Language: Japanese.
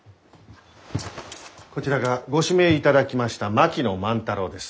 こちらがご指名いただきました槙野万太郎です。